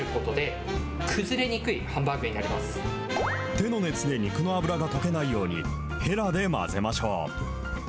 手の熱で肉の脂が溶けないように、へらで混ぜましょう。